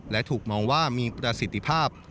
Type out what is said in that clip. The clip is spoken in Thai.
และถูกมองว่ามีประสิทธิภาพ